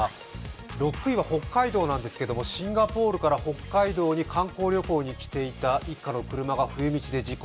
６位は北海道なんですけれども、シンガポールから北海道に観光旅行に来ていた一家の車が冬道で事故。